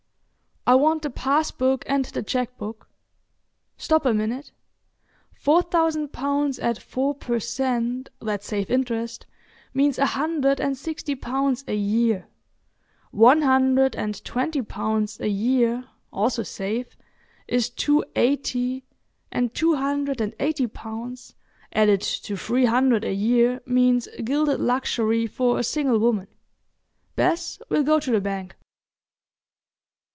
I want the pass book and the check book. Stop a minute. Four thousand pounds at four per cent—that's safe interest—means a hundred and sixty pounds a year; one hundred and twenty pounds a year—also safe—is two eighty, and two hundred and eighty pounds added to three hundred a year means gilded luxury for a single woman. Bess, we'll go to the bank."